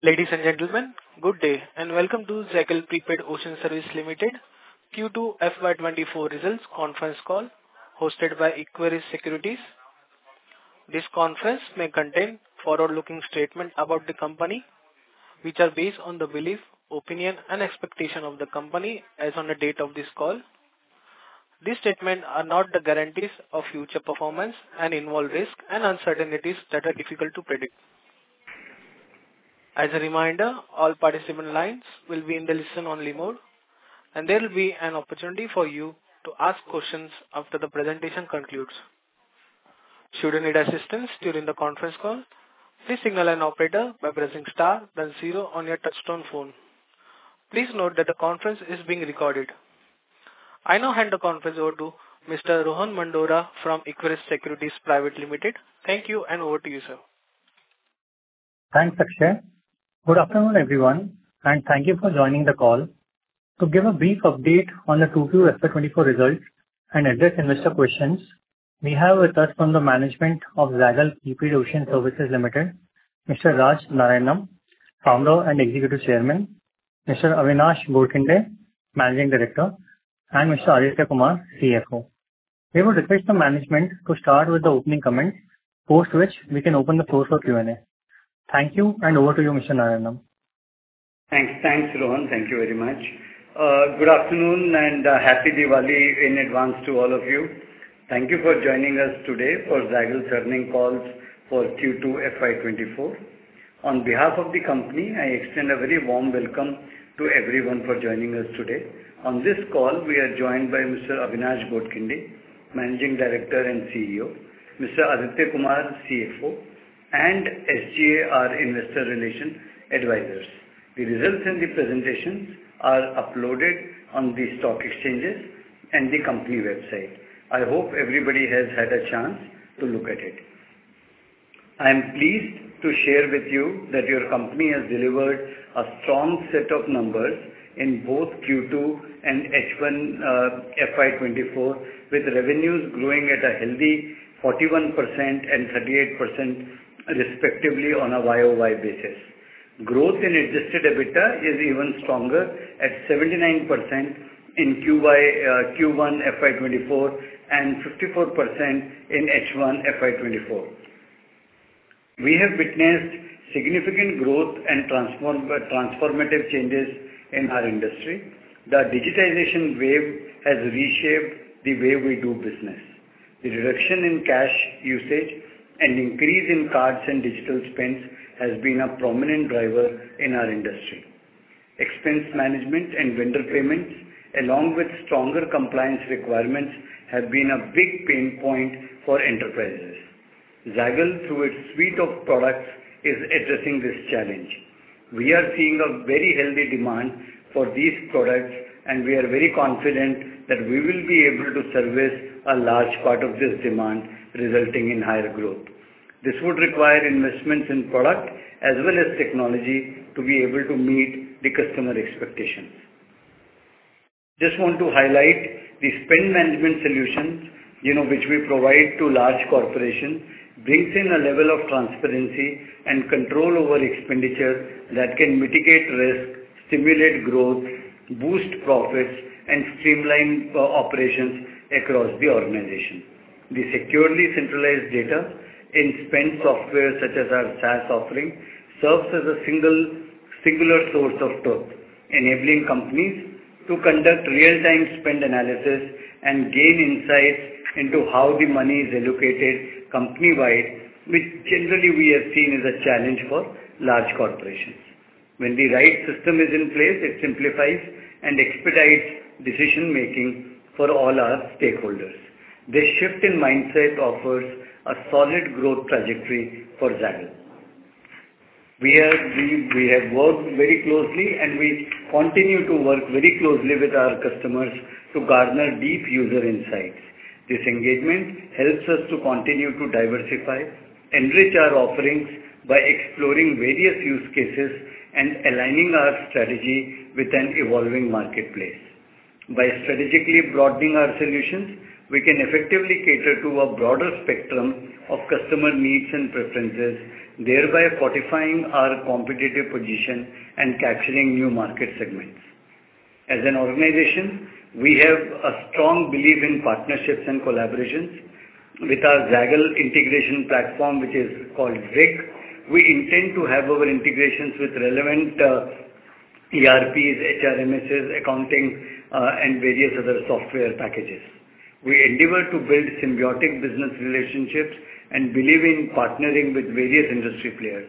Ladies and gentlemen, good day, and welcome to Zaggle Prepaid Ocean Services Limited Q2 FY24 results conference call, hosted by Equirus Securities. This conference may contain forward-looking statements about the company, which are based on the belief, opinion, and expectation of the company as on the date of this call. These statements are not the guarantees of future performance and involve risks and uncertainties that are difficult to predict. As a reminder, all participant lines will be in the listen-only mode, and there will be an opportunity for you to ask questions after the presentation concludes. Should you need assistance during the conference call, please signal an operator by pressing star then zero on your touchtone phone. Please note that the conference is being recorded. I now hand the conference over to Mr. Rohan Mandora from Equirus Securities Private Limited. Thank you, and over to you, sir. Thanks, Akshay. Good afternoon, everyone, and thank you for joining the call. To give a brief update on the Q2 FY24 results and address investor questions, we have with us from the management of Zaggle Prepaid Ocean Services Limited, Mr. Raj P. Narayanam, Founder and Executive Chairman, Mr. Avinash Godkhindi, Managing Director, and Mr. Aditya Kumar, CFO. We would request the management to start with the opening comments, post which we can open the floor for Q&A. Thank you, and over to you, Mr. Narayanam. Thanks. Thanks, Rohan. Thank you very much. Good afternoon, and happy Diwali in advance to all of you. Thank you for joining us today for Zaggle's earnings call for Q2 FY24. On behalf of the company, I extend a very warm welcome to everyone for joining us today. On this call, we are joined by Mr. Avinash Godkhindi, Managing Director and CEO, Mr. Aditya Kumar, CFO, and SGA, our Investor Relations Advisors. The results and the presentations are uploaded on the stock exchanges and the company website. I hope everybody has had a chance to look at it. I am pleased to share with you that your company has delivered a strong set of numbers in both Q2 and H1, FY24, with revenues growing at a healthy 41% and 38% respectively on a YOY basis. Growth in Adjusted EBITDA is even stronger at 79% in Q1 FY 2024, and 54% in H1 FY 2024. We have witnessed significant growth and transformative changes in our industry. The digitization wave has reshaped the way we do business. The reduction in cash usage and increase in cards and digital spends has been a prominent driver in our industry. Expense management and vendor payments, along with stronger compliance requirements, have been a big pain point for enterprises. Zaggle, through its suite of products, is addressing this challenge. We are seeing a very healthy demand for these products, and we are very confident that we will be able to service a large part of this demand, resulting in higher growth. This would require investments in product as well as technology to be able to meet the customer expectations. Just want to highlight the spend management solutions, you know, which we provide to large corporations, brings in a level of transparency and control over expenditure that can mitigate risk, stimulate growth, boost profits, and streamline operations across the organization. The securely centralized data in spend software, such as our SaaS offering, serves as a singular source of truth, enabling companies to conduct real-time spend analysis and gain insights into how the money is allocated company-wide, which generally we have seen is a challenge for large corporations. When the right system is in place, it simplifies and expedites decision-making for all our stakeholders. This shift in mindset offers a solid growth trajectory for Zaggle. We have worked very closely, and we continue to work very closely with our customers to garner deep user insights. This engagement helps us to continue to diversify, enrich our offerings by exploring various use cases and aligning our strategy with an evolving marketplace. By strategically broadening our solutions, we can effectively cater to a broader spectrum of customer needs and preferences, thereby fortifying our competitive position and capturing new market segments. As an organization, we have a strong belief in partnerships and collaborations. With our Zaggle integration platform, which is called ZIG, we intend to have our integrations with relevant, ERPs, HRMSs, accounting, and various other software packages. We endeavor to build symbiotic business relationships and believe in partnering with various industry players.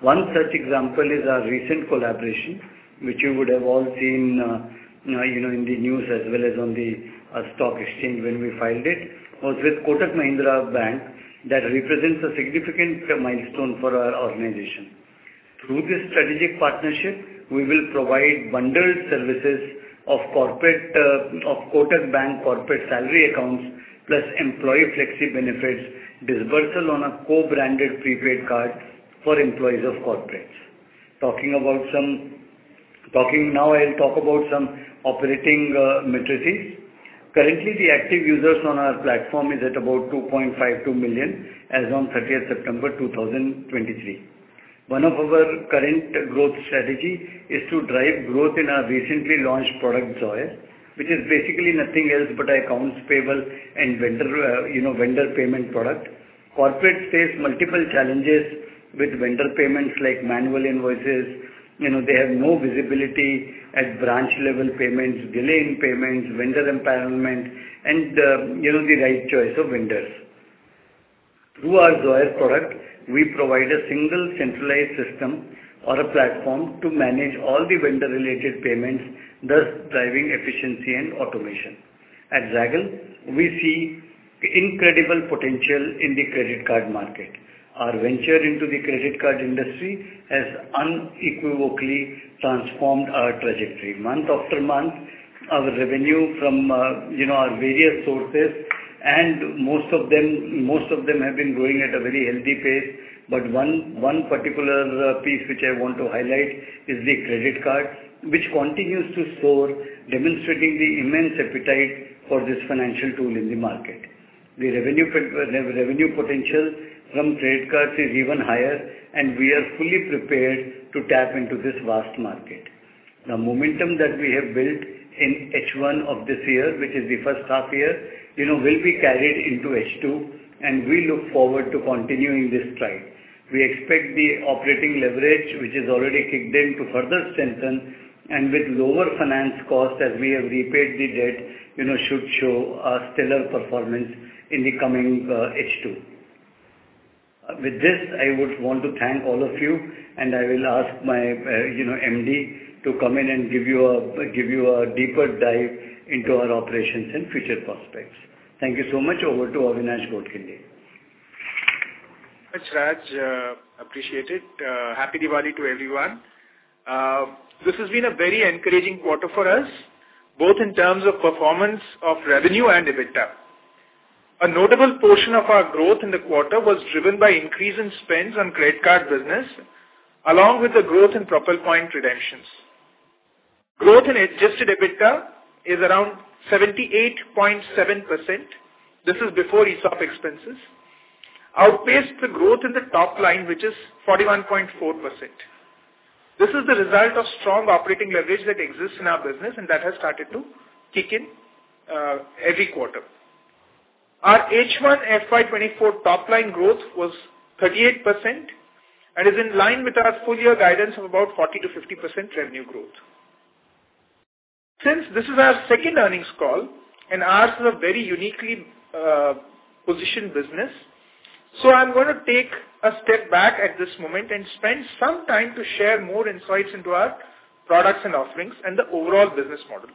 One such example is our recent collaboration, which you would have all seen, you know, in the news as well as on the, stock exchange when we filed it, was with Kotak Mahindra Bank. That represents a significant milestone for our organization. Through this strategic partnership, we will provide bundled services of corporate, of Kotak Bank corporate salary accounts, plus employee flexi benefits, disbursal on a co-branded prepaid card for employees of corporates. Talking now, I'll talk about some operating metrics. Currently, the active users on our platform is at about 2.52 million as on thirtieth September 2023. One of our current growth strategy is to drive growth in our recently launched product, Zoyer, which is basically nothing else but accounts payable and vendor, you know, vendor payment product. Corporates face multiple challenges with vendor payments, like manual invoices, you know, they have no visibility at branch-level payments, delay in payments, vendor empowerment, and, you know, the right choice of vendors. Through our Zoyer product, we provide a single centralized system or a platform to manage all the vendor-related payments, thus driving efficiency and automation. At Zaggle, we see incredible potential in the credit card market. Our venture into the credit card industry has unequivocally transformed our trajectory. Month after month, our revenue from, you know, our various sources, and most of them, most of them have been growing at a very healthy pace. But one, one particular, piece which I want to highlight is the credit card, which continues to soar, demonstrating the immense appetite for this financial tool in the market. The revenue revenue potential from credit cards is even higher, and we are fully prepared to tap into this vast market. The momentum that we have built in H1 of this year, which is the first half year, you know, will be carried into H2, and we look forward to continuing this stride. We expect the operating leverage, which is already kicked in, to further strengthen, and with lower finance costs as we have repaid the debt, you know, should show a stellar performance in the coming H2. With this, I would want to thank all of you, and I will ask my, you know, MD to come in and give you a deeper dive into our operations and future prospects. Thank you so much. Over to Avinash Godkhindi. Thanks, Raj, appreciate it. Happy Diwali to everyone. This has been a very encouraging quarter for us, both in terms of performance of revenue and EBITDA. A notable portion of our growth in the quarter was driven by increase in spends on credit card business, along with the growth in Propel point redemptions. Growth in Adjusted EBITDA is around 78.7%, this is before ESOP expenses. Outpaced the growth in the top line, which is 41.4%. This is the result of strong operating leverage that exists in our business, and that has started to kick in, every quarter. Our H1 FY 2024 top-line growth was 38% and is in line with our full year guidance of about 40%-50% revenue growth. Since this is our second earnings call, and ours is a very uniquely positioned business, so I'm going to take a step back at this moment and spend some time to share more insights into our products and offerings and the overall business model.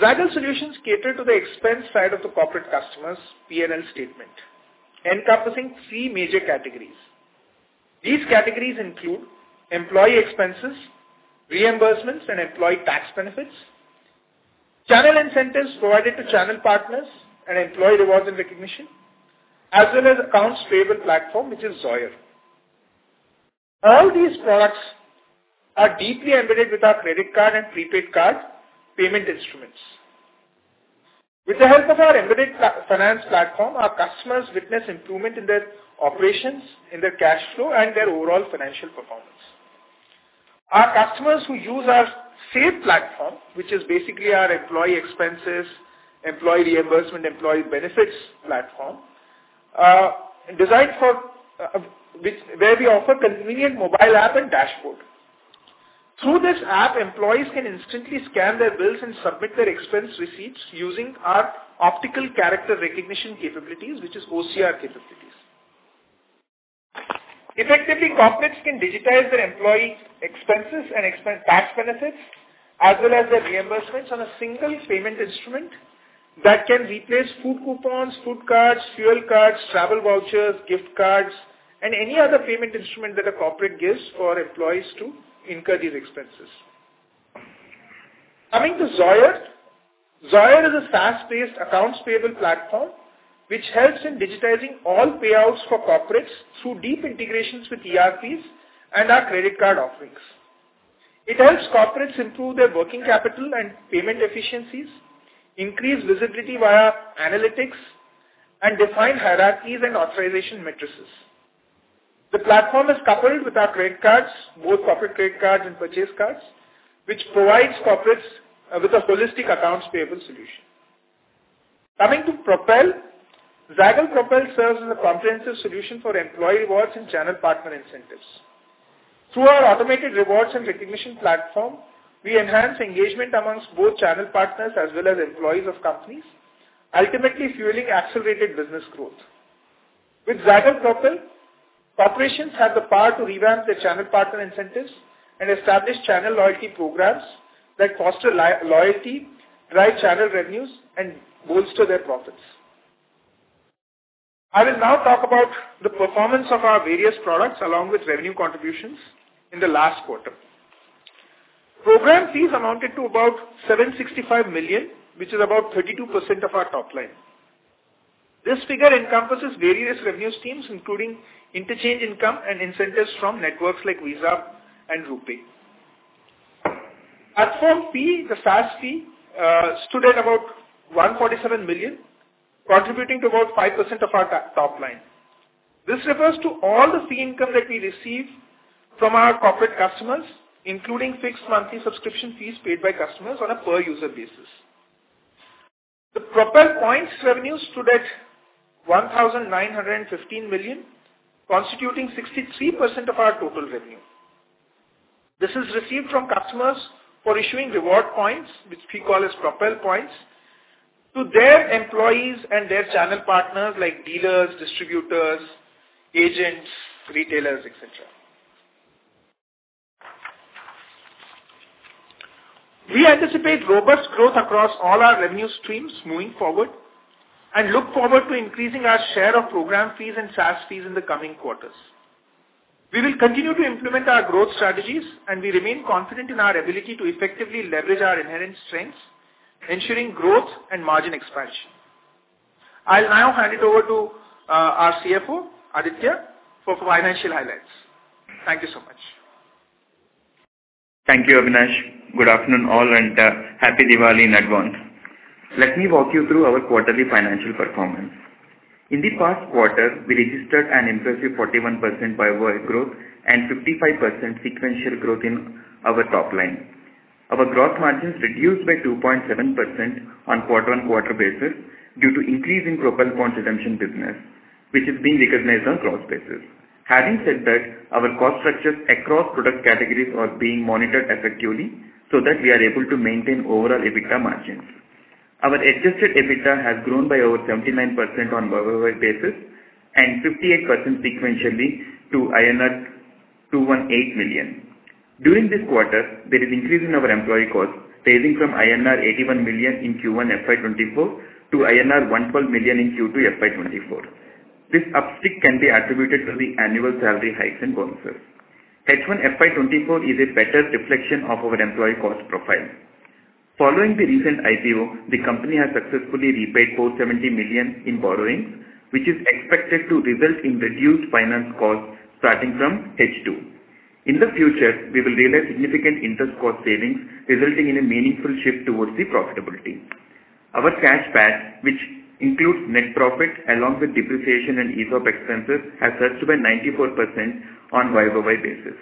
Zaggle Solutions cater to the expense side of the corporate customers' PNL statement, encompassing three major categories. These categories include employee expenses, reimbursements, and employee tax benefits, channel incentives provided to channel partners, and employee rewards and recognition, as well as accounts payable platform, which is Zoyer. All these products are deeply embedded with our credit card and prepaid card payment instruments. With the help of our embedded finance platform, our customers witness improvement in their operations, in their cash flow and their overall financial performance. Our customers who use our SAVE platform, which is basically our employee expenses, employee reimbursement, employee benefits platform, designed for where we offer convenient mobile app and dashboard. Through this app, employees can instantly scan their bills and submit their expense receipts using our optical character recognition capabilities, which is OCR capabilities. Effectively, corporates can digitize their employee expenses and expense tax benefits, as well as their reimbursements on a single payment instrument that can replace food coupons, food cards, fuel cards, travel vouchers, gift cards and any other payment instrument that a corporate gives for employees to incur these expenses. Coming to Zoyer. Zoyer is a SaaS-based accounts payable platform, which helps in digitizing all payouts for corporates through deep integrations with ERPs and our credit card offerings. It helps corporates improve their working capital and payment efficiencies, increase visibility via analytics, and define hierarchies and authorization matrices. The platform is coupled with our credit cards, both corporate credit cards and purchase cards, which provides corporates with a holistic accounts payable solution. Coming to Propel. Zaggle Propel serves as a comprehensive solution for employee rewards and channel partner incentives. Through our automated rewards and recognition platform, we enhance engagement amongst both channel partners as well as employees of companies, ultimately fueling accelerated business growth. With Zaggle Propel, corporations have the power to revamp their channel partner incentives and establish channel loyalty programs that foster loyalty, drive channel revenues, and bolster their profits. I will now talk about the performance of our various products, along with revenue contributions in the last quarter. Program fees amounted to about 765 million, which is about 32% of our top line. This figure encompasses various revenue streams, including interchange income and incentives from networks like Visa and RuPay. As for fee, the SaaS fee, stood at about 147 million, contributing to about 5% of our top, top line. This refers to all the fee income that we receive from our corporate customers, including fixed monthly subscription fees paid by customers on a per-user basis. The Propel points revenue stood at 1,915 million, constituting 63% of our total revenue. This is received from customers for issuing reward points, which we call as Propel points, to their employees and their channel partners, like dealers, distributors, agents, retailers, et cetera. We anticipate robust growth across all our revenue streams moving forward, and look forward to increasing our share of program fees and SaaS fees in the coming quarters. We will continue to implement our growth strategies, and we remain confident in our ability to effectively leverage our inherent strengths, ensuring growth and margin expansion. I'll now hand it over to our CFO, Aditya, for financial highlights. Thank you so much. Thank you, Avinash. Good afternoon, all, and Happy Diwali in advance. Let me walk you through our quarterly financial performance. In the past quarter, we registered an impressive 41% YOY growth and 55% sequential growth in our top line. Our growth margins reduced by 2.7% on quarter-on-quarter basis due to increase in Propel points redemption business, which is being recognized on gross basis. Having said that, our cost structures across product categories are being monitored effectively, so that we are able to maintain overall EBITDA margins. Our Adjusted EBITDA has grown by over 79% on YOY basis and 58% sequentially to INR 218 million. During this quarter, there is increase in our employee costs, raising from INR 81 million in Q1 FY 2024 to INR 112 million in Q2 FY 2024. This uptick can be attributed to the annual salary hikes and bonuses. H1 FY 2024 is a better reflection of our employee cost profile. Following the recent IPO, the company has successfully repaid 470 million in borrowings, which is expected to result in reduced finance costs starting from H2. In the future, we will realize significant interest cost savings, resulting in a meaningful shift towards the profitability. Our Cash PAT, which includes net profit along with depreciation and ESOP expenses, has surged by 94% on YOY basis.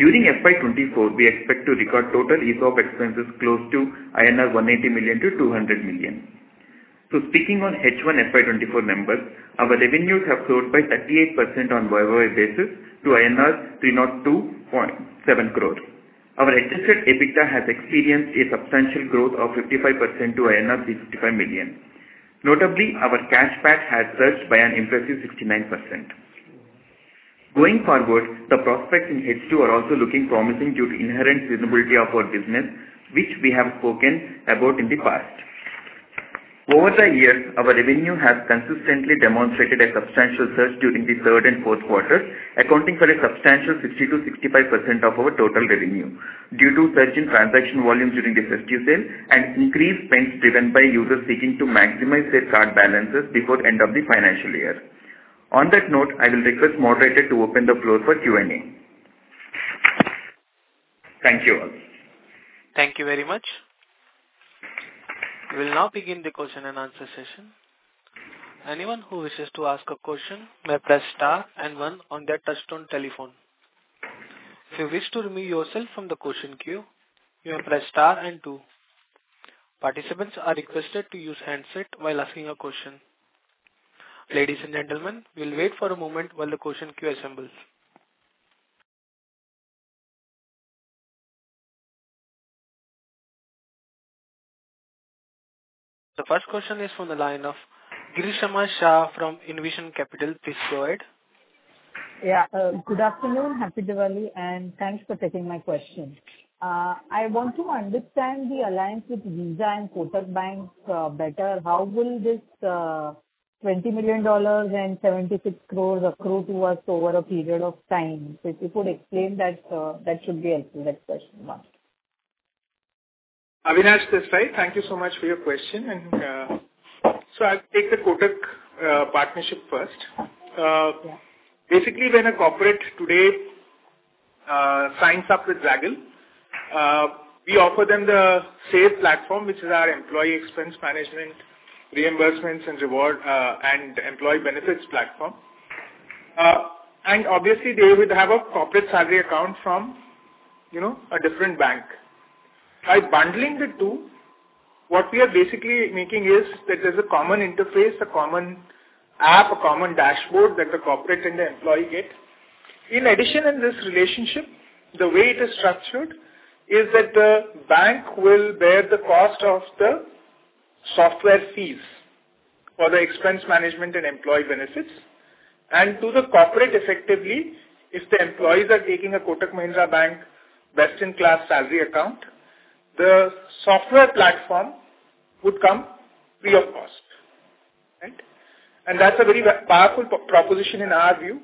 During FY 2024, we expect to record total ESOP expenses close to 180 million-200 million INR. So speaking on H1 FY 2024 numbers, our revenues have grown by 38% on YOY basis to INR 302.7 crores. Our Adjusted EBITDA has experienced a substantial growth of 55% to INR 355 million. Notably, our Cash PAT has surged by an impressive 69%. Going forward, the prospects in H2 are also looking promising due to inherent visibility of our business, which we have spoken about in the past. Over the years, our revenue has consistently demonstrated a substantial surge during the third and fourth quarters, accounting for a substantial 60%-65% of our total revenue, due to surge in transaction volume during the festive sale and increased spends driven by users seeking to maximize their card balances before end of the financial year. On that note, I will request moderator to open the floor for Q&A. Thank you all. Thank you very much. We will now begin the question and answer session. Anyone who wishes to ask a question may press star and one on their touchtone telephone. If you wish to remove yourself from the question queue, you may press star and two. Participants are requested to use handset while asking a question. Ladies and gentlemen, we'll wait for a moment while the question queue assembles. The first question is from the line of Grishma Shah from Envision Capital. Please go ahead. Yeah, good afternoon, Happy Diwali, and thanks for taking my question. I want to understand the alliance with Visa and Kotak Banks better. How will this $20 million and 76 crore accrue to us over a period of time? If you could explain that, that should be answered, that question one. Avinash, thank you so much for your question. So I'll take the Kotak partnership first. Yeah. Basically, when a corporate today signs up with Zaggle, we offer them the same platform, which is our employee expense management, reimbursements and reward, and employee benefits platform. And obviously, they would have a corporate salary account from, you know, a different bank. By bundling the two, what we are basically making is that there's a common interface, a common app, a common dashboard that the corporate and the employee get. In addition, in this relationship, the way it is structured, is that the bank will bear the cost of the software fees for the expense management and employee benefits. And to the corporate, effectively, if the employees are taking a Kotak Mahindra Bank best-in-class salary account, the software platform would come free of cost. Right? And that's a very powerful proposition, in our view,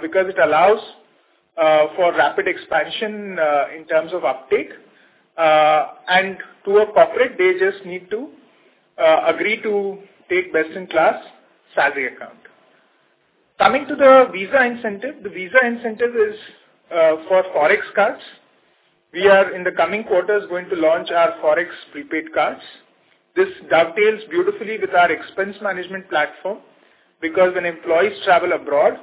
because it allows-... For rapid expansion in terms of uptake and to a corporate, they just need to agree to take best-in-class salary account. Coming to the Visa incentive, the Visa incentive is for Forex cards. We are, in the coming quarters, going to launch our Forex prepaid cards. This dovetails beautifully with our expense management platform, because when employees travel abroad,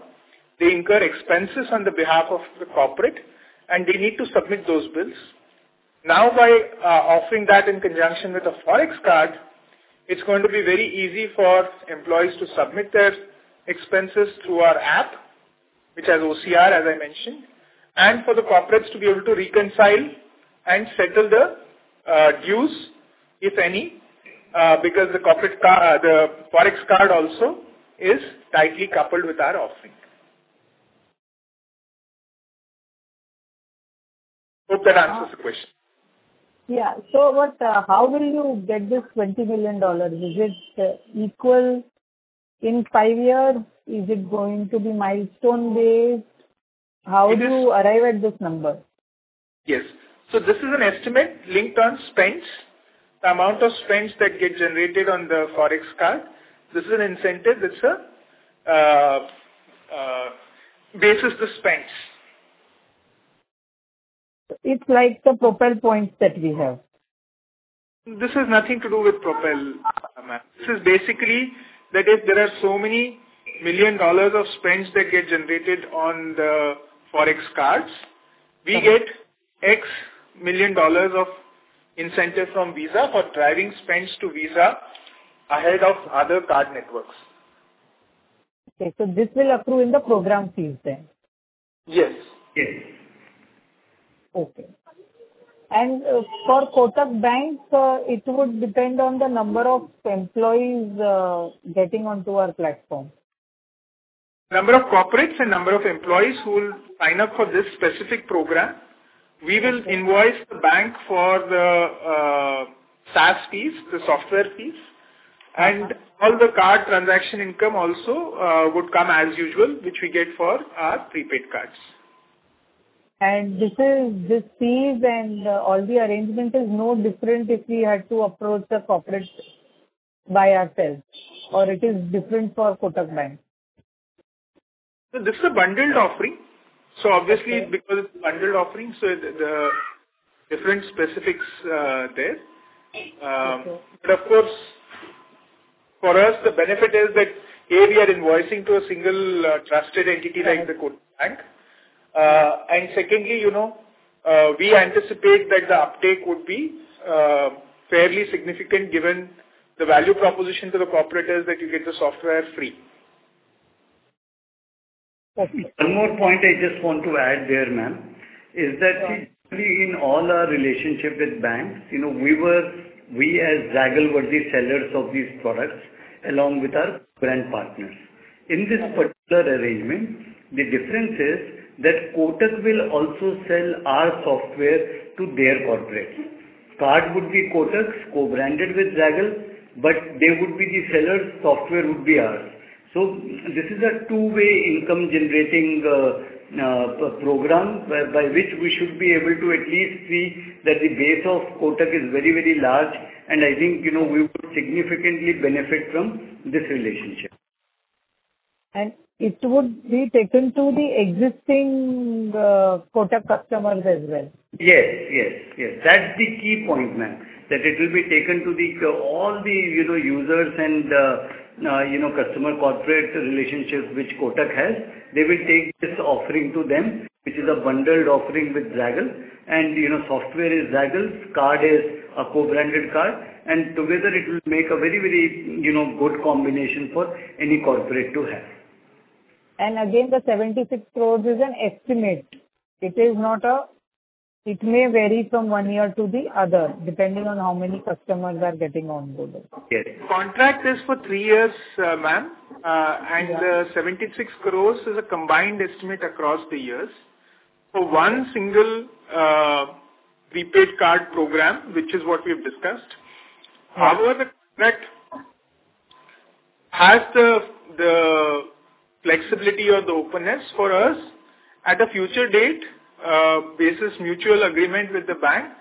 they incur expenses on behalf of the corporate, and they need to submit those bills. Now, by offering that in conjunction with a Forex card, it's going to be very easy for employees to submit their expenses through our app, which has OCR, as I mentioned, and for the corporates to be able to reconcile and settle the dues, if any, because the Forex card also is tightly coupled with our offering. Hope that answers the question. Yeah. So but, how will you get this $20 million? Is it equal in five years? Is it going to be milestone-based? It is- How do you arrive at this number? Yes. So this is an estimate linked on spends. The amount of spends that get generated on the Forex card, this is an incentive that's basis the spends. It's like the Propel points that we have. This has nothing to do with Propel, ma'am. This is basically that if there are so many million dollars of spends that get generated on the Forex cards, we get $X million of incentive from Visa for driving spends to Visa ahead of other card networks. Okay. So this will accrue in the program fees then? Yes, yes. Okay. And, for Kotak Banks, it would depend on the number of employees, getting onto our platform. Number of corporates and number of employees who will sign up for this specific program, we will invoice the bank for the SaaS fees, the software fees, and all the card transaction income also would come as usual, which we get for our prepaid cards. This is, these fees and all the arrangement is no different if we had to approach the corporate by ourselves, or it is different for Kotak Bank? So this is a bundled offering. So obviously, because it's a bundled offering, so the different specifics there. Okay. But of course, for us, the benefit is that, A, we are invoicing to a single, trusted entity- Right. Like the Kotak Bank. And secondly, you know, we anticipate that the uptake would be fairly significant, given the value proposition to the corporates, that you get the software free. Okay. One more point I just want to add there, ma'am, is that- Right in all our relationship with banks, you know, we were, we, as Zaggle, were the sellers of these products, along with our brand partners. Okay. In this particular arrangement, the difference is that Kotak will also sell our software to their corporates. Card would be Kotak's, co-branded with Zaggle, but they would be the sellers, software would be ours. So this is a two-way income generating program, by which we should be able to at least see that the base of Kotak is very, very large, and I think, you know, we would significantly benefit from this relationship. It would be taken to the existing Kotak customers as well? Yes, yes, yes. That's the key point, ma'am, that it will be taken to the, all the, you know, users and, you know, customer corporate relationships which Kotak has. They will take this offering to them, which is a bundled offering with Zaggle. And, you know, software is Zaggle's, card is a co-branded card, and together it will make a very, very, you know, good combination for any corporate to have. And again, the 76 crore is an estimate. It is not a... It may vary from one year to the other, depending on how many customers are getting on board. Yes. Contract is for three years, ma'am. Yeah. The 76 crore is a combined estimate across the years. For one single, prepaid card program, which is what we've discussed. Right. However, the contract has the flexibility or the openness for us, at a future date, basis mutual agreement with the bank,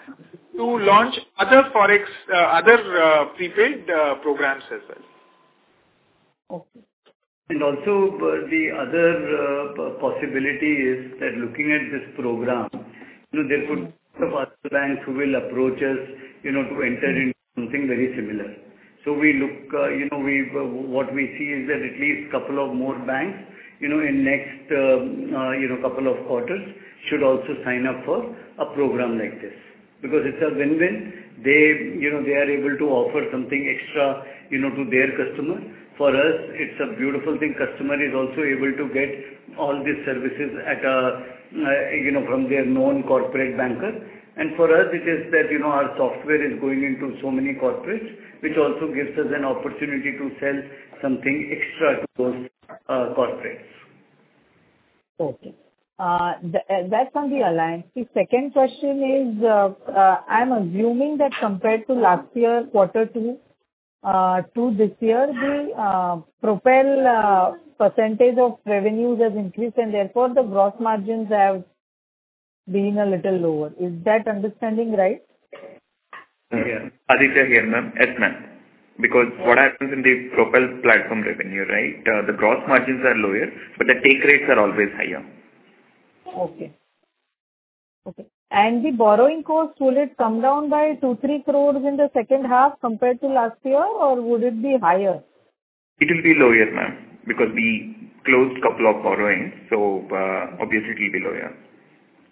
to launch other Forex, other prepaid programs as well. Okay. And also, the other, possibility is that looking at this program, you know, there could other banks who will approach us, you know, to enter into something very similar. So we look, you know, we've, what we see is that at least couple of more banks, you know, in next, you know, couple of quarters, should also sign up for a program like this. Because it's a win-win. They, you know, they are able to offer something extra, you know, to their customer. For us, it's a beautiful thing. Customer is also able to get all these services at a, you know, from their known corporate banker. And for us, it is that, you know, our software is going into so many corporates, which also gives us an opportunity to sell something extra to those, corporates. Okay. That's on the alliance. The second question is, I'm assuming that compared to last year, quarter two through this year, the Propel percentage of revenues has increased and therefore, the gross margins have been a little lower. Is that understanding right? Yeah. Aditya here, ma'am. Yes, ma'am. Because what happens in the Propel platform revenue, right? The gross margins are lower, but the take rates are always higher. Okay. Okay, and the borrowing cost, will it come down by 2 crore-3 crore in the second half compared to last year, or would it be higher? It will be lower, ma'am, because we closed a couple of borrowings, so, obviously, it will be lower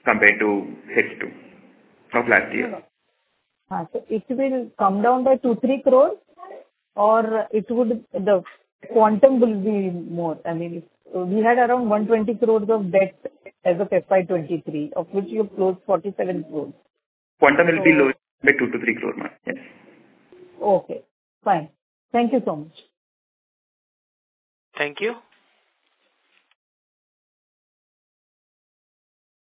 compared to H2 of last year. So it will come down by 2-3 crores, or it would—the quantum will be more? I mean, we had around 120 crores of debt as of FY 2023, of which you closed 47 crores. Quantum will be lower by 2 crore-3 crore, ma'am, yes. Okay, fine. Thank you so much. Thank you.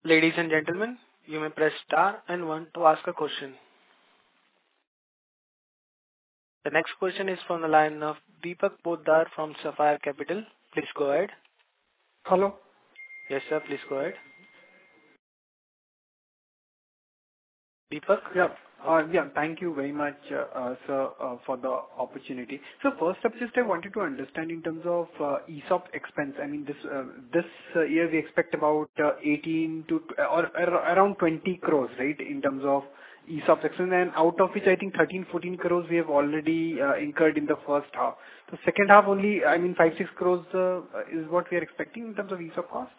Ladies and gentlemen, you may press star and one to ask a question. The next question is from the line of Deepak Poddar from Sapphire Capital. Please go ahead. Hello. Yes, sir, please go ahead. Deepak? Yeah. Yeah, thank you very much, sir, for the opportunity. So first up, just I wanted to understand in terms of, ESOP expense. I mean, this, this year, we expect about, 18 to or around 20 crores, right, in terms of ESOP expense. And out of which, I think 13-14 crores we have already, incurred in the first half. The second half only, I mean, 5-6 crores, is what we are expecting in terms of ESOP cost?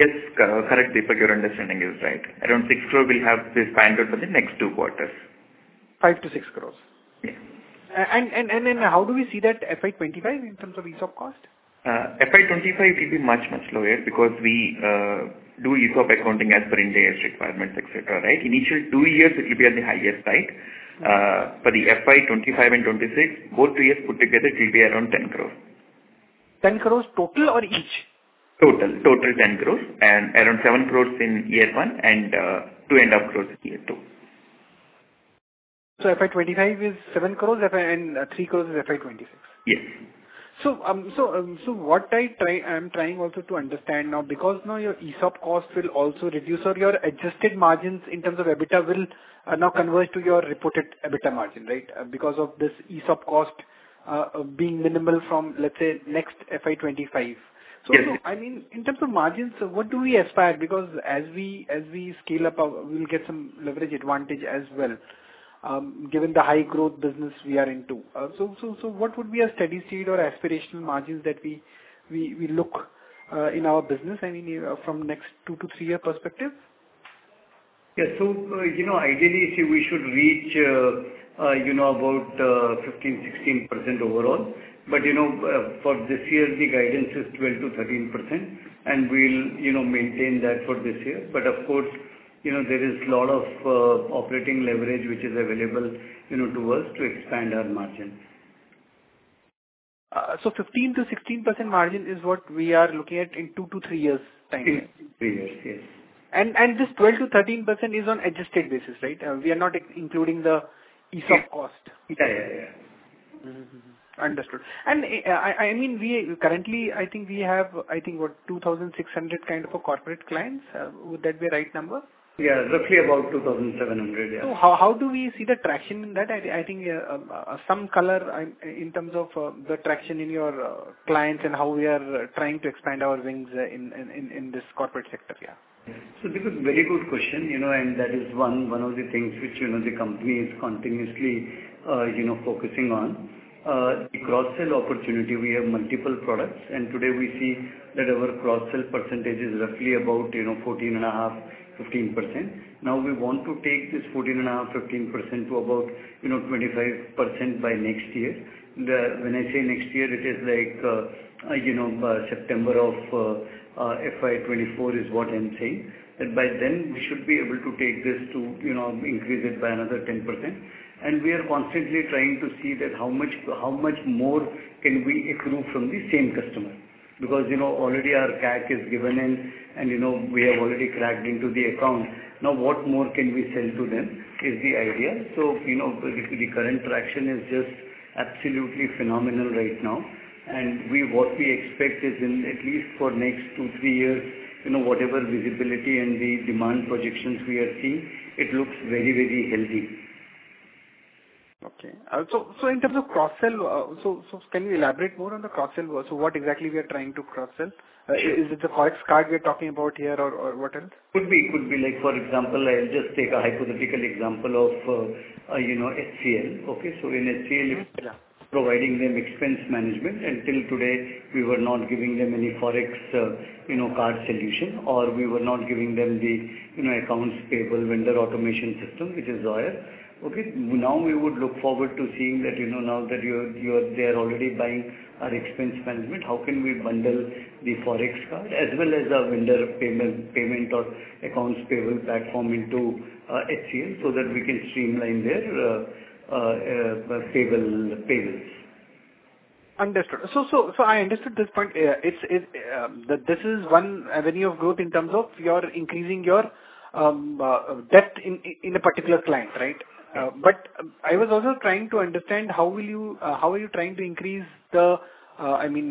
Yes, correct, Deepak, your understanding is right. Around 6 crore will have this kind for the next two quarters. 5 crore-INR 6 crore? Yeah. Then how do we see that FY25 in terms of ESOP cost? FY25 will be much, much lower because we do ESOP accounting as per India AS requirements, et cetera, right? Initial two years, it will be at the highest peak. For the FY25 and FY26, both two years put together, it will be around 10 crore. 10 crore total or each? Total. Total 10 crore, and around 7 crore in year one and 2.5 crore year two. FY25 is 7 crore, and 3 crore is FY 26? Yes. So, what I'm trying also to understand now, because now your ESOP cost will also reduce, or your adjusted margins in terms of EBITDA will now converge to your reported EBITDA margin, right? Because of this ESOP cost being minimal from, let's say, next FY 25. Yes. So, you know, I mean, in terms of margins, so what do we aspire? Because as we scale up, we'll get some leverage advantage as well, given the high growth business we are into. So, what would be a steady state or aspirational margins that we look in our business, I mean, from next two- to three-year perspective? Yes. So, you know, ideally, see, we should reach, you know, about, 15%, 16% overall. But, you know, for this year, the guidance is 12%-13%, and we'll, you know, maintain that for this year. But of course, you know, there is lot of, operating leverage which is available, you know, to us to expand our margins. So, 15%-16% margin is what we are looking at in 2-3 years' time? Three years, yes. 12%-13% is on adjusted basis, right? We are not including the ESOP cost. Yeah. Yeah, yeah. Mm-hmm. Understood. And I mean, we currently, I think we have, I think, what, 2,600 kind of a corporate clients. Would that be the right number? Yeah, roughly about 2,700, yeah. So how do we see the traction in that? I think some color in terms of the traction in your clients and how we are trying to expand our wings in this corporate sector here. So Deepak, very good question, you know, and that is one of the things which, you know, the company is continuously focusing on. The cross-sell opportunity, we have multiple products, and today we see that our cross-sell percentage is roughly about, you know, 14.5%-15%. Now, we want to take this 14.5%-15% to about, you know, 25% by next year. When I say next year, it is like, you know, September of FY2024 is what I'm saying. That by then, we should be able to take this to, you know, increase it by another 10%. And we are constantly trying to see that how much more can we accrue from the same customer. Because, you know, already our CAC is given in, and, you know, we have already cracked into the account. Now, what more can we sell to them is the idea. So, you know, the current traction is just absolutely phenomenal right now, and what we expect is in at least for next 2-3 years, you know, whatever visibility and the demand projections we are seeing, it looks very, very healthy. Okay. So in terms of cross-sell, so can you elaborate more on the cross-sell? So what exactly we are trying to cross-sell? Is it the Forex card we are talking about here or what else? Could be, could be. Like, for example, I'll just take a hypothetical example of, you know, HCL, okay? So in HCL- Yeah. - providing them expense management, until today, we were not giving them any Forex, you know, card solution, or we were not giving them the, you know, accounts payable vendor automation system, which is Zoyer, okay? Now, we would look forward to seeing that, you know, now that they are already buying our expense management, how can we bundle the Forex card as well as our vendor payment, payment or accounts payable platform into, HCL, so that we can streamline their payable payments? ...Understood. So I understood this point. It's that this is one avenue of growth in terms of you're increasing your depth in a particular client, right? But I was also trying to understand how are you trying to increase the, I mean,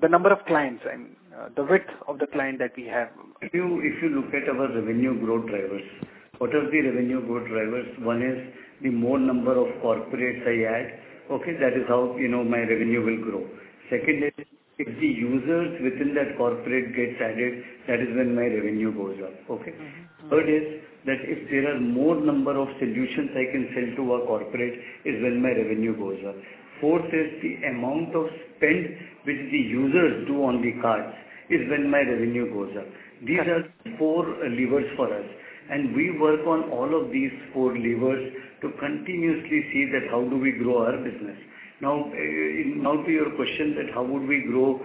the number of clients and the width of the client that we have? If you, if you look at our revenue growth drivers, what are the revenue growth drivers? One is the more number of corporates I add, okay, that is how, you know, my revenue will grow. Second is, if the users within that corporate gets added, that is when my revenue goes up, okay? Mm-hmm. Third is, that if there are more number of solutions I can sell to a corporate, is when my revenue goes up. Fourth is the amount of spend which the users do on the cards, is when my revenue goes up. Okay. These are four levers for us, and we work on all of these four levers to continuously see that how do we grow our business. Now, now to your question that how would we grow,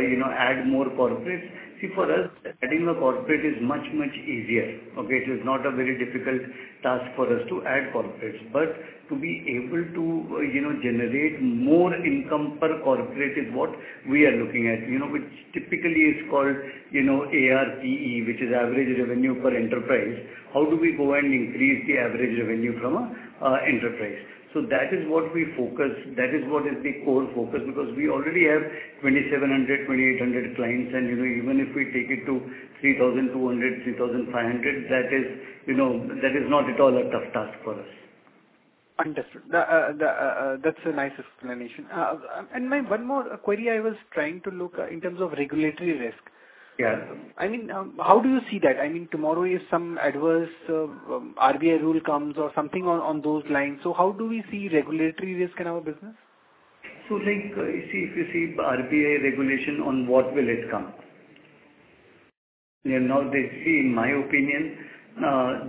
you know, add more corporates? See, for us, adding a corporate is much, much easier. Okay? It is not a very difficult task for us to add corporates, but to be able to, you know, generate more income per corporate is what we are looking at, you know, which typically is called, you know, ARPE, which is average revenue per enterprise. How do we go and increase the average revenue from a, enterprise? So that is what we focus, that is what is the core focus, because we already have 2,700-2,800 clients, and, you know, even if we take it to 3,200-3,500, that is, you know, that is not at all a tough task for us. Understood. That's a nice explanation. And my one more query I was trying to look in terms of regulatory risk. Yeah. I mean, how do you see that? I mean, tomorrow, if some adverse RBI rule comes or something on those lines, so how do we see regulatory risk in our business? So like, if you, if you see RBI regulation, on what will it come? You know, they see, in my opinion,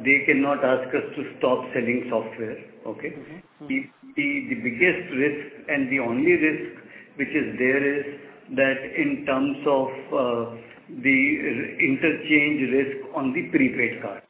they cannot ask us to stop selling software. Okay? Mm-hmm. The biggest risk and the only risk which is there is that in terms of the interchange risk on the prepaid card.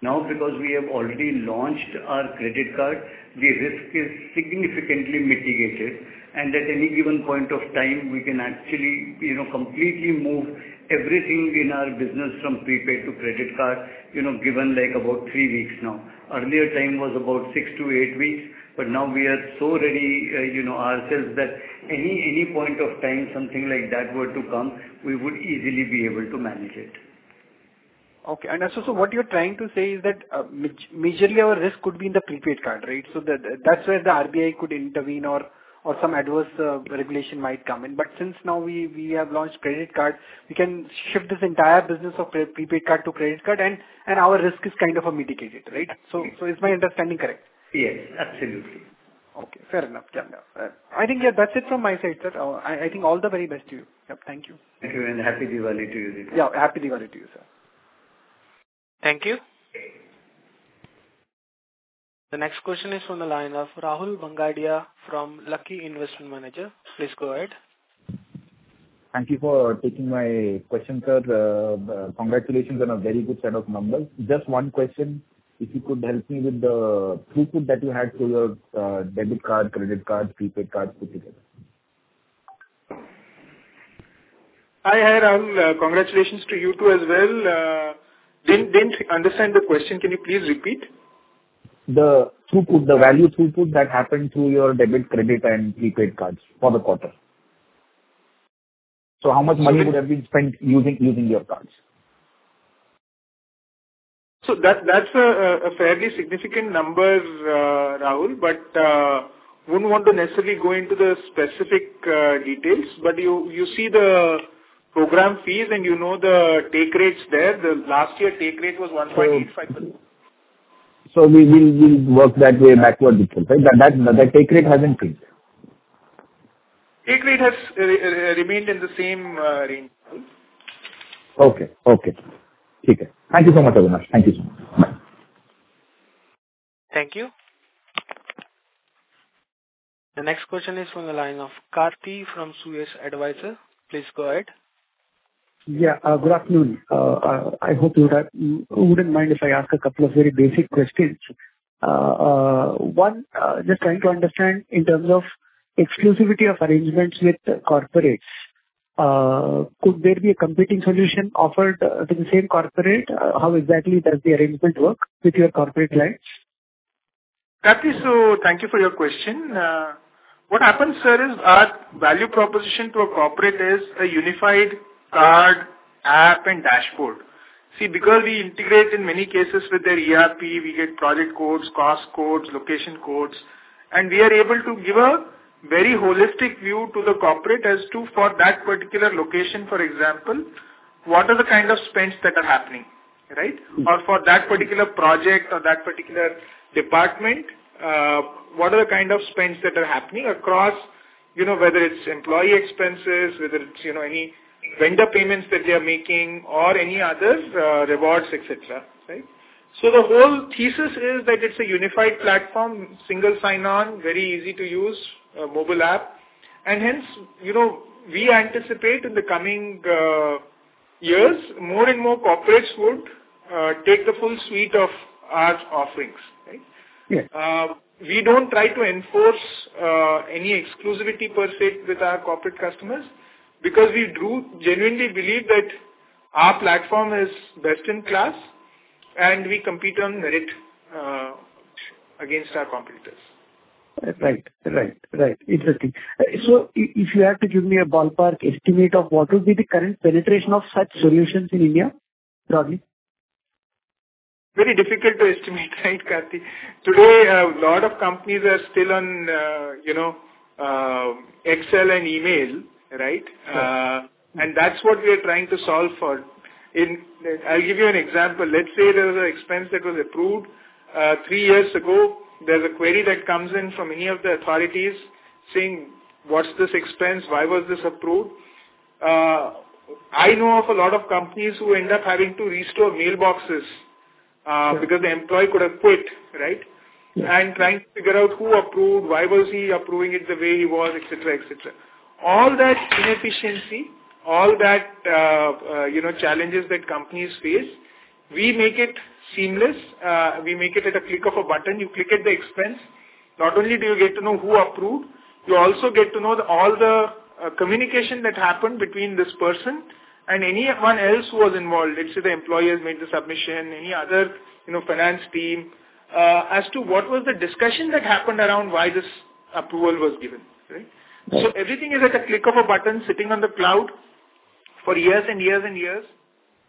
Now, because we have already launched our credit card, the risk is significantly mitigated, and at any given point of time, we can actually, you know, completely move everything in our business from prepaid to credit card, you know, given, like, about three weeks now. Earlier time was about six to eight weeks, but now we are so ready, you know, ourselves, that any point of time, something like that were to come, we would easily be able to manage it. Okay. And so what you're trying to say is that, majorly, our risk could be in the prepaid card, right? So that's where the RBI could intervene or some adverse regulation might come in. But since now we have launched credit card, we can shift this entire business of prepaid card to credit card, and our risk is kind of mitigated, right? Yes. So is my understanding correct? Yes, absolutely. Okay, fair enough. Yeah, fair. I think that's it from my side, sir. I think all the very best to you. Yeah, thank you. Thank you, and Happy Diwali to you as well. Yeah, Happy Diwali to you, sir. Thank you. The next question is from the line of Rahul Bhangadia from Lucky Investment Managers. Please go ahead. Thank you for taking my question, sir. Congratulations on a very good set of numbers. Just one question, if you could help me with the throughput that you had through your debit card, credit card, prepaid cards, put together? Hi, Rahul. Congratulations to you, too, as well. Didn't understand the question. Can you please repeat? The throughput, the value throughput that happened through your debit, credit, and prepaid cards for the quarter. So how much money would have been spent using your cards? So, that's a fairly significant number, Rahul, but wouldn't want to necessarily go into the specific details. But you see the program fees, and you know the take rates there. The last year take rate was 1.85. So we work that way backward, right? That the take rate hasn't changed. Take rate has remained in the same range, Rahul. Okay, okay. Thank you so much, Avinash. Thank you so much. Bye. Thank you. The next question is from the line of Karthi from Suyash Advisors. Please go ahead. Yeah, good afternoon. I hope you would, wouldn't mind if I ask a couple of very basic questions. One, just trying to understand in terms of exclusivity of arrangements with corporates, could there be a competing solution offered to the same corporate? How exactly does the arrangement work with your corporate clients? Karthi, so thank you for your question. What happens, sir, is our value proposition to a corporate is a unified card, app, and dashboard. See, because we integrate in many cases with their ERP, we get project codes, cost codes, location codes, and we are able to give a very holistic view to the corporate as to, for that particular location, for example, what are the kind of spends that are happening, right? Mm-hmm. Or for that particular project or that particular department, what are the kind of spends that are happening across, you know, whether it's employee expenses, whether it's, you know, any vendor payments that they are making or any other, rewards, et cetera, right? So the whole thesis is that it's a unified platform, single sign-on, very easy to use, a mobile app, and hence, you know, we anticipate in the coming,... years, more and more corporates would take the full suite of our offerings, right? Yes. We don't try to enforce any exclusivity per se with our corporate customers, because we do genuinely believe that our platform is best in class, and we compete on merit against our competitors. Right. Right, right. Interesting. So if you had to give me a ballpark estimate of what would be the current penetration of such solutions in India, broadly? Very difficult to estimate, right, Karthi. Today, a lot of companies are still on, you know, Excel and email, right? Sure. And that's what we are trying to solve for. I'll give you an example. Let's say there was an expense that was approved three years ago. There's a query that comes in from any of the authorities saying: "What's this expense? Why was this approved?" I know of a lot of companies who end up having to restore mailboxes, Sure. because the employee could have quit, right? Sure. Trying to figure out who approved, why was he approving it the way he was, et cetera, et cetera. All that inefficiency, all that, you know, challenges that companies face, we make it seamless. We make it at a click of a button. You click at the expense, not only do you get to know who approved, you also get to know the, all the, communication that happened between this person and anyone else who was involved. Let's say, the employee has made the submission, any other, you know, finance team, as to what was the discussion that happened around why this approval was given, right? Sure. So everything is at a click of a button, sitting on the cloud for years and years and years,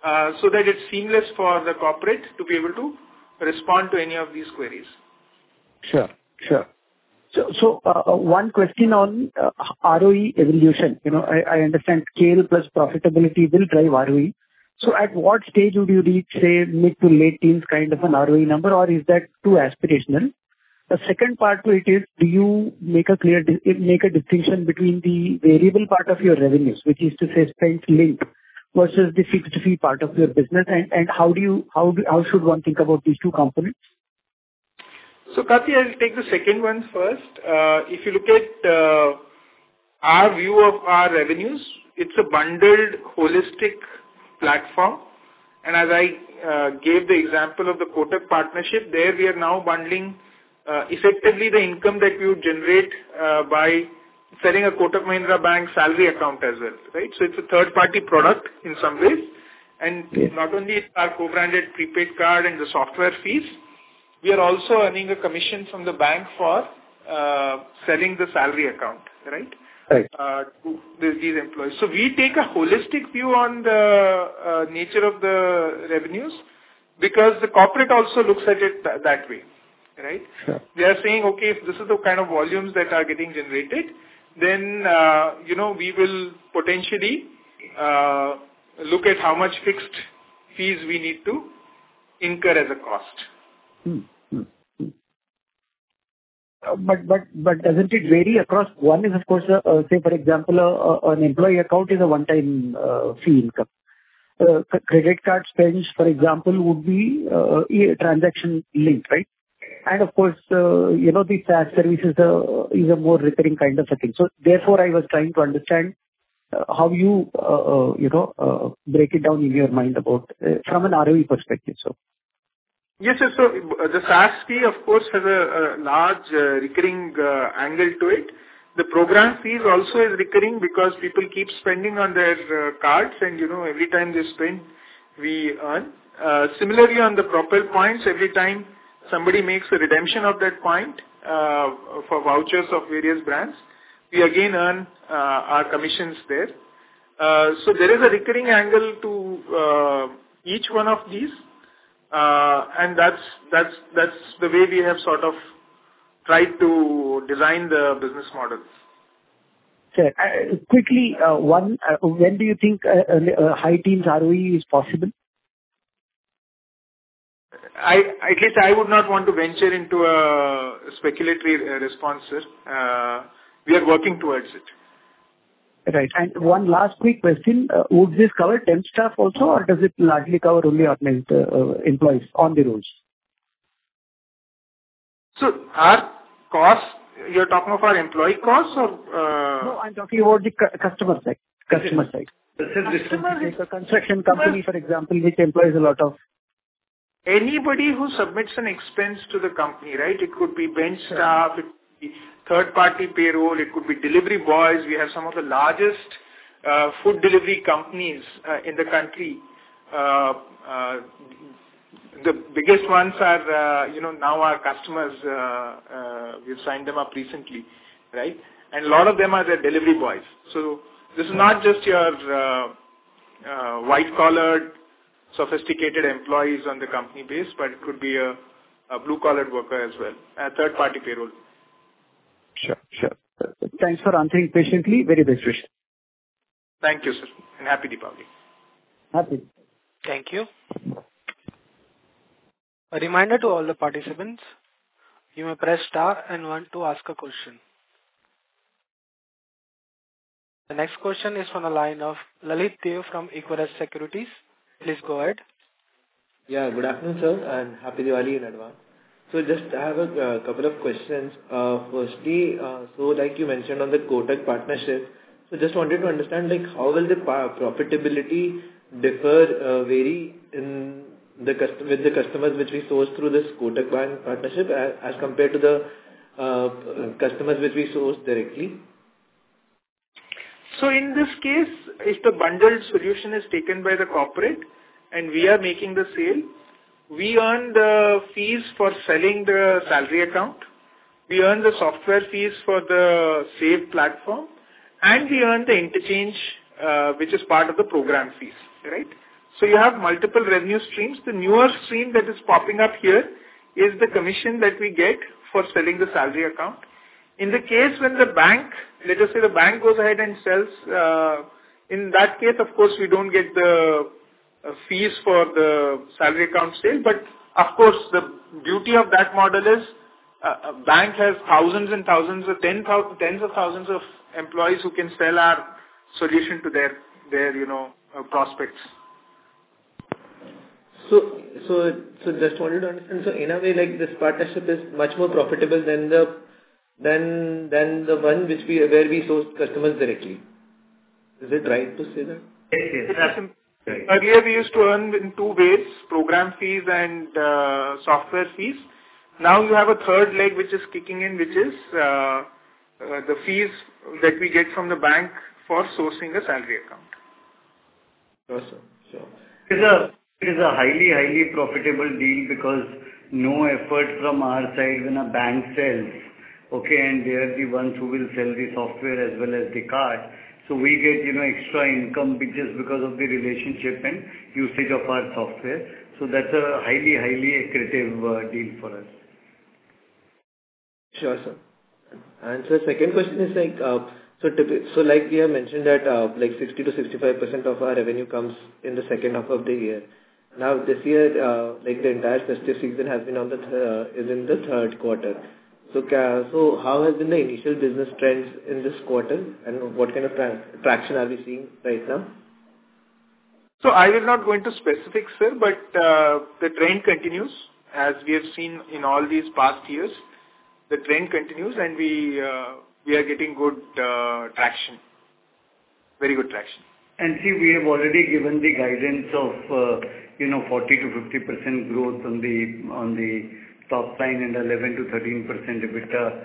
so that it's seamless for the corporate to be able to respond to any of these queries. Sure. Sure. So, so, one question on, ROE evolution. You know, I, I understand scale plus profitability will drive ROE. So at what stage would you reach, say, mid to late teens, kind of an ROE number, or is that too aspirational? The second part to it is: Do you make a clear distinction between the variable part of your revenues, which is to say, spend link, versus the fixed fee part of your business? And how do you, how should one think about these two components? So, Karthi, I'll take the second one first. If you look at our view of our revenues, it's a bundled, holistic platform. And as I gave the example of the Kotak partnership, there we are now bundling effectively the income that you generate by selling a Kotak Mahindra Bank salary account as well, right? So it's a third-party product in some ways. Sure. Not only our co-branded prepaid card and the software fees, we are also earning a commission from the bank for selling the salary account, right? Right. To these employees. So we take a holistic view on the nature of the revenues, because the corporate also looks at it that way, right? Sure. They are saying: "Okay, if this is the kind of volumes that are getting generated, then, you know, we will potentially look at how much fixed fees we need to incur as a cost. But, but, but doesn't it vary across? One is, of course, say, for example, an employee account is a one-time fee income. The credit card spends, for example, would be a transaction link, right? Sure. And of course, you know, the SaaS service is a, is a more recurring kind of a thing. So therefore, I was trying to understand how you, you know, break it down in your mind about from an ROE perspective, sir. Yes, sir. So the SaaS fee, of course, has a large recurring angle to it. The program fees also is recurring because people keep spending on their cards, and, you know, every time they spend, we earn. Similarly, on the Propel points, every time somebody makes a redemption of that point for vouchers of various brands, we again earn our commissions there. So there is a recurring angle to each one of these, and that's, that's, that's the way we have sort of tried to design the business models. Sure. Quickly, one, when do you think a high-teens ROE is possible? At least I would not want to venture into a speculative response, sir. We are working towards it. Right. And one last quick question: would this cover temp staff also, or does it largely cover only permanent employees on the rolls? So, our costs, you're talking of our employee costs or? No, I'm talking about the customer side, customer side. Customer- Like a construction company, for example, which employs a lot of... Anybody who submits an expense to the company, right? It could be bench staff- Sure. It could be third-party payroll, it could be delivery boys. We have some of the largest food delivery companies in the country. The biggest ones are, you know, now our customers, we've signed them up recently, right? And a lot of them are their delivery boys. So this is not just your white-collar, sophisticated employees on the company base, but it could be a blue-collar worker as well, a third-party payroll. Sure. Sure. Thanks for answering patiently. Very best wish. Thank you, sir, and Happy Diwali! Happy Diwali. Thank you. A reminder to all the participants, you may press star and one to ask a question. The next question is from the line of Lalit Deo from Equirus Securities. Please go ahead.... Yeah, good afternoon, sir, and Happy Diwali in advance. So just I have a couple of questions. Firstly, so like you mentioned on the Kotak partnership, so just wanted to understand, like, how will the profitability differ, vary in the customer, with the customers which we source through this Kotak Bank partnership, as compared to the customers which we source directly? So in this case, if the bundled solution is taken by the corporate and we are making the sale, we earn the fees for selling the salary account, we earn the software fees for the save platform, and we earn the interchange, which is part of the program fees, right? So you have multiple revenue streams. The newer stream that is popping up here is the commission that we get for selling the salary account. In the case when the bank, let us say the bank goes ahead and sells, in that case, of course, we don't get the fees for the salary account sale. But of course, the beauty of that model is, a bank has thousands and thousands of tens of thousands of employees who can sell our solution to their prospects. So just wanted to understand. So in a way, like, this partnership is much more profitable than the one where we source customers directly. Is it right to say that? Yes, yes. Earlier, we used to earn in two ways: program fees and software fees. Now, you have a third leg which is kicking in, which is the fees that we get from the bank for sourcing a salary account. Sure, sir. Sure. It is a highly, highly profitable deal because no effort from our side when a bank sells, okay? And they are the ones who will sell the software as well as the card. So we get, you know, extra income just because of the relationship and usage of our software. So that's a highly, highly accretive deal for us. Sure, sir. And so second question is like, so like we have mentioned that, like 60%-65% of our revenue comes in the second half of the year. Now, this year, like, the entire festive season is in the third quarter. So how has been the initial business trends in this quarter, and what kind of transaction are we seeing right now? I will not go into specifics, sir, but the trend continues, as we have seen in all these past years. The trend continues, and we are getting good traction. Very good traction. See, we have already given the guidance of, you know, 40%-50% growth on the top line and 11%-13% EBITDA,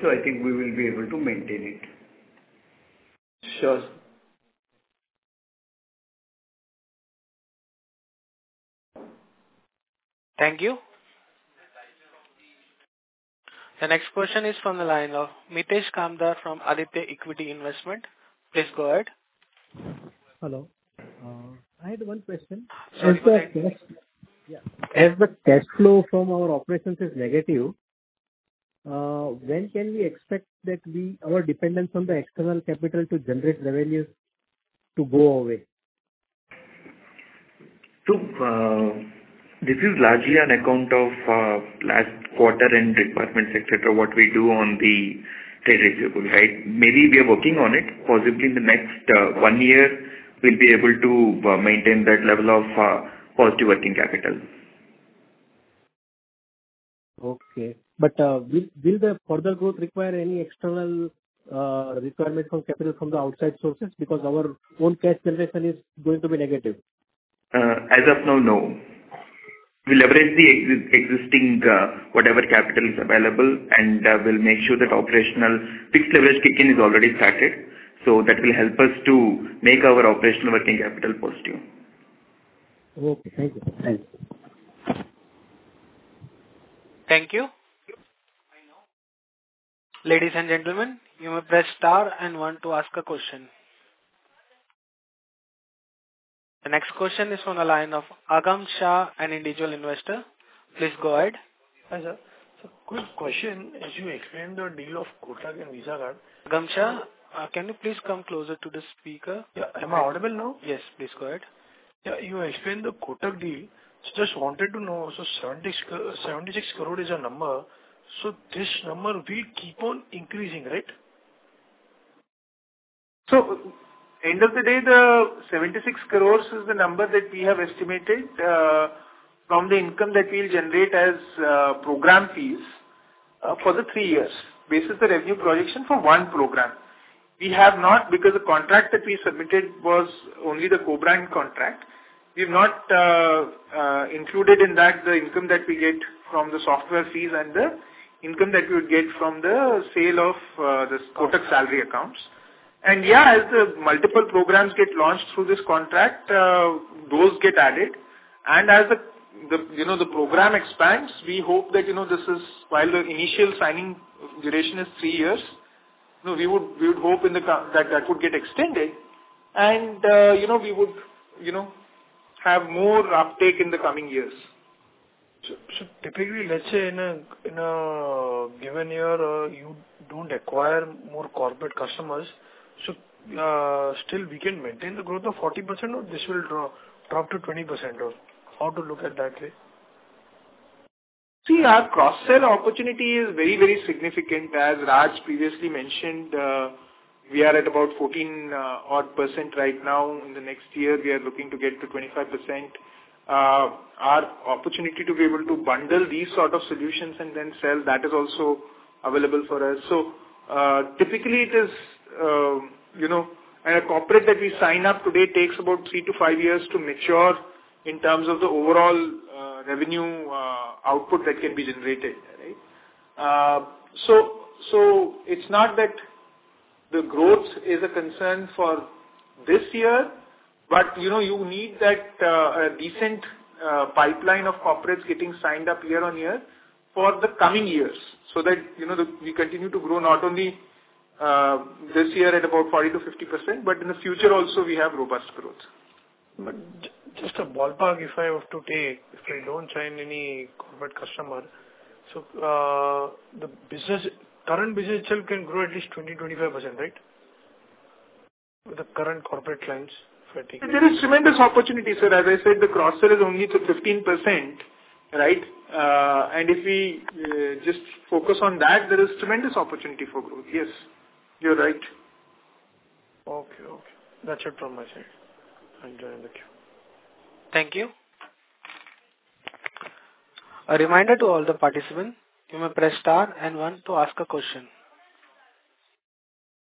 so I think we will be able to maintain it. Sure. Thank you. The next question is from the line of Mitesh Kamdar from Aditya Equity Investments. Please go ahead. Hello. I had one question. As the cash flow from our operations is negative, when can we expect that we, our dependence on the external capital to generate revenues to go away? So, this is largely on account of last quarter and requirements, et cetera, what we do on the trade receivable, right? Maybe we are working on it. Possibly in the next one year, we'll be able to maintain that level of positive working capital. Okay, but, will the further growth require any external, requirement from capital from the outside sources? Because our own cash generation is going to be negative. As of now, no. We leverage the existing, whatever capital is available, and we'll make sure that operational fixed leverage kick in is already started. So that will help us to make our operational working capital positive. Okay. Thank you. Thanks. Thank you. Ladies and gentlemen, you may press star and one to ask a question. The next question is from the line of Agam Shah, an individual investor. Please go ahead. Hi, sir. So quick question, as you explained the deal of Kotak and Visa card- Agam Shah, can you please come closer to the speaker? Yeah. Am I audible now? Yes. Please go ahead. Yeah, you explained the Kotak deal. So just wanted to know, so INR 70 crore, 76 crore is a number, so this number will keep on increasing, right? So end of the day, the 76 crore is the number that we have estimated, from the income that we'll generate as program fees, for the 3 years. This is the revenue projection for one program. We have not, because the contract that we submitted was only the co-brand contract, we've not, included in that the income that we get from the software fees and the income that we would get from the sale of this Kotak salary accounts. And yeah, as the multiple programs get launched through this contract, those get added. And as the, you know, the program expands, we hope that, you know, this is while the initial signing duration is three years, you know, we would hope in the co- that that would get extended, and, you know, we would, you know, have more uptake in the coming years. So, typically, let's say in a given year, you don't acquire more corporate customers, so still we can maintain the growth of 40%, or this will drop to 20%, or how to look at that way? ... See, our cross-sell opportunity is very, very significant. As Raj previously mentioned, we are at about 14 odd percent right now. In the next year, we are looking to get to 25%. Our opportunity to be able to bundle these sort of solutions and then sell, that is also available for us. So, typically, it is, you know, a corporate that we sign up today takes about 3-5 years to mature in terms of the overall, revenue output that can be generated, right? So, it's not that the growth is a concern for this year, but, you know, you need that, a decent pipeline of corporates getting signed up year-on-year for the coming years, so that, you know, we continue to grow not only this year at about 40%-50%, but in the future also, we have robust growth. But just a ballpark, if I have to take, if I don't sign any corporate customer, so, the business, current business itself can grow at least 20%-25%, right? With the current corporate clients for- There is tremendous opportunity, sir. As I said, the cross-sell is only to 15%, right? And if we just focus on that, there is tremendous opportunity for growth. Yes, you're right. Okay. Okay. That's it from my side. I join the queue. Thank you. A reminder to all the participants, you may press star and one to ask a question.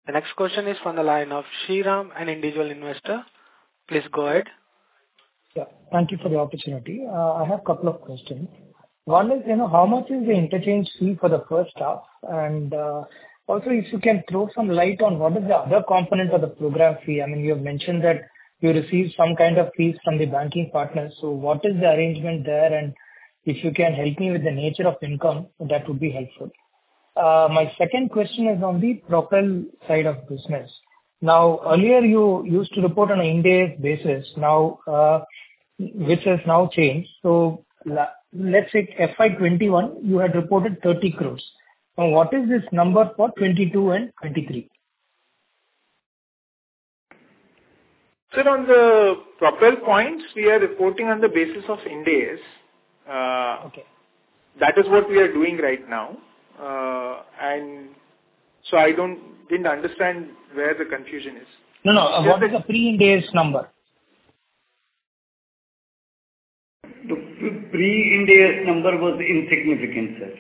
The next question is from the line of Shriram, an individual investor. Please go ahead. Yeah, thank you for the opportunity. I have a couple of questions. One is, you know, how much is the interchange fee for the first half? And, also, if you can throw some light on what is the other component of the program fee. I mean, you have mentioned that you receive some kind of fees from the banking partners, so what is the arrangement there? And if you can help me with the nature of income, that would be helpful. My second question is on the propel side of business. Now, earlier, you used to report on an Ind AS basis, now, which has now changed. So let's say, FY2021, you had reported 30 crore. Now, what is this number for 2022 and 2023? Sir, on the Propel points, we are reporting on the basis of Ind AS. Uh, okay. That is what we are doing right now. And so I don't... didn't understand where the confusion is. No, no. What is the pre-Ind AS number? The pre-Ind AS number was insignificant, sir.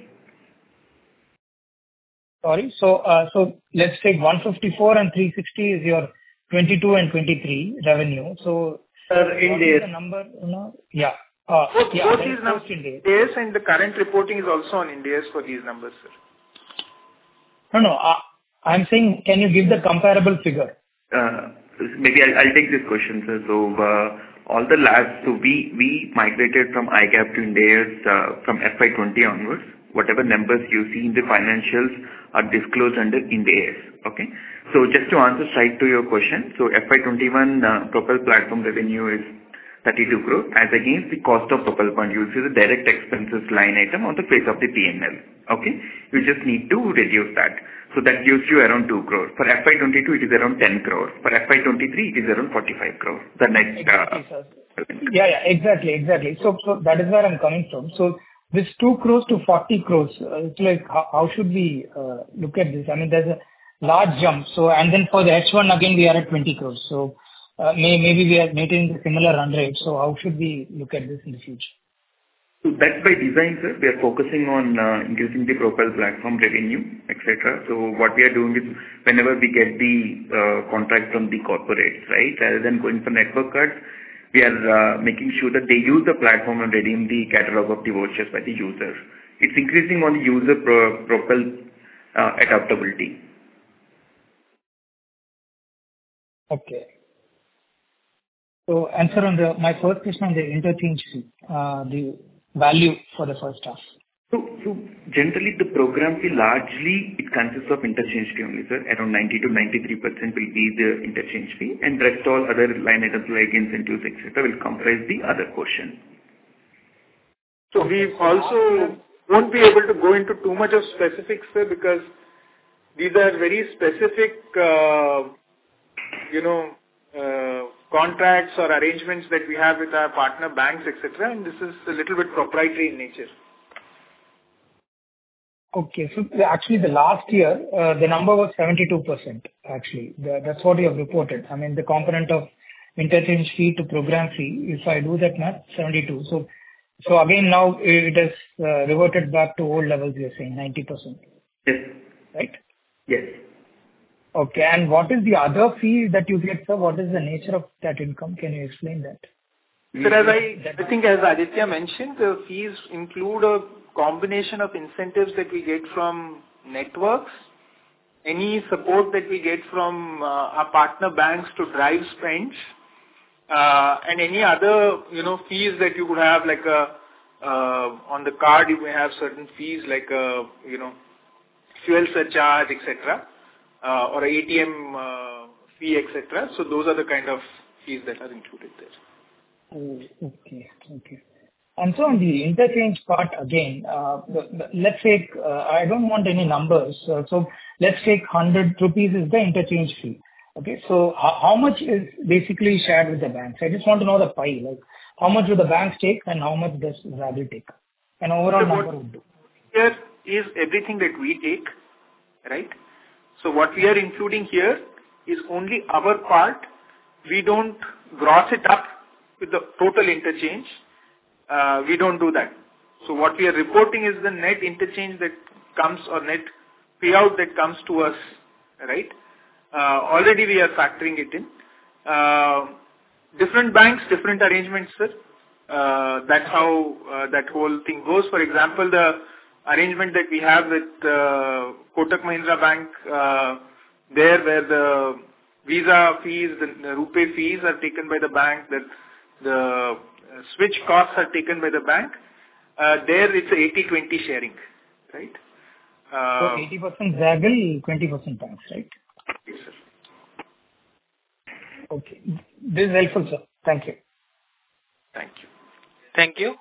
Sorry. So, let's take 154 and 360 is your 2022 and 2023 revenue. So- Sir, Ind AS. The number, you know? Yeah. Yeah. Both is now Ind AS, and the current reporting is also on Ind AS for these numbers, sir. No, no. I'm saying, can you give the comparable figure? Maybe I'll take this question, sir. So, all the labs, so we migrated from ICAAP to Ind AS from FY2020 onwards. Whatever numbers you see in the financials are disclosed under Ind AS, okay? So just to answer straight to your question, so FY 2021, Propel platform revenue is 32 crores, as against the cost of Propel point. You will see the direct expenses line item on the face of the PNL, okay? You just need to reduce that, so that gives you around 2 crores. For FY2022, it is around 10 crores. For FY2023, it is around 45 crores. The next, Thank you, sir. Yeah, yeah. Exactly, exactly. So, so that is where I'm coming from. So this 2 crore-40 crore, it's like, how, how should we look at this? I mean, there's a large jump, so... And then for the H1, again, we are at 20 crore. So, maybe we are maintaining the similar run rate, so how should we look at this in the future? So that's by design, sir. We are focusing on increasing the Propel platform revenue, etc. So what we are doing is whenever we get the contract from the corporates, right, rather than going for network cards, we are making sure that they use the platform and redeem the catalog of the vouchers by the users. It's increasing on the user Propel adaptability. Okay. So, answer on the my first question on the interchange fee, the value for the first half. So, so generally, the program fee, largely, it consists of interchange fee only, sir. Around 90%-93% will be the interchange fee, and the rest all other line items, like incentives, et cetera, will comprise the other portion. We also won't be able to go into too much of specifics, sir, because these are very specific, you know, contracts or arrangements that we have with our partner banks, et cetera, and this is a little bit proprietary in nature. Okay. So actually, the last year, the number was 72%, actually. That, that's what you have reported. I mean, the component of interchange fee to program fee, if I do that math, 72%. So, so again, now it is, reverted back to old levels, you're saying 90%. Yes. Right? Yes. Okay, and what is the other fee that you get, sir? What is the nature of that income? Can you explain that? Sir, as I- That- I think as Aditya mentioned, the fees include a combination of incentives that we get from networks, any support that we get from our partner banks to drive spends, and any other, you know, fees that you would have, like, on the card, you may have certain fees, like, you know, fuel surcharge, et cetera, or ATM fee, et cetera. So those are the kind of fees that are included there. Oh, okay. Okay. And so on the interchange part again, the, the... Let's say, I don't want any numbers. So let's take 100 rupees is the interchange fee, okay? So how, how much is basically shared with the banks? I just want to know the pie, like, how much do the banks take, and how much does Zaggle take? An overall number would do. Here is everything that we take, right? So what we are including here is only our part. We don't gross it up with the total interchange. We don't do that. So what we are reporting is the net interchange that comes or net payout that comes to us, right? Already we are factoring it in. Different banks, different arrangements, sir. That's how that whole thing goes. For example, the arrangement that we have with Kotak Mahindra Bank, there where the Visa fees and the RuPay fees are taken by the bank, that the switch costs are taken by the bank, there it's 80/20 sharing, right? So 80% fees, 20% banks, right? Yes, sir. Okay. This is helpful, sir. Thank you. Thank you. Thank you.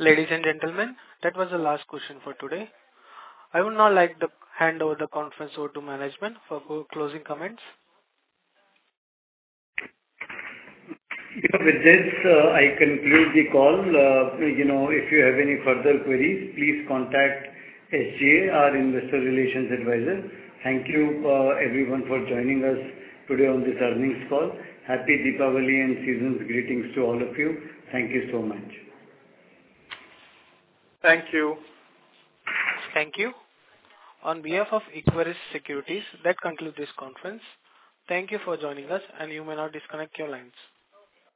Ladies and gentlemen, that was the last question for today. I would now like to hand the conference over to management for closing comments. With this, I conclude the call. You know, if you have any further queries, please contact our investor relations advisor. Thank you, everyone, for joining us today on this earnings call. Happy Diwali, and season's greetings to all of you. Thank you so much. Thank you. Thank you. On behalf of Equirus Securities, that concludes this conference. Thank you for joining us, and you may now disconnect your lines.